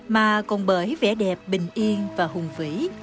mà còn bởi vẻ đẹp bình yên và hùng vĩ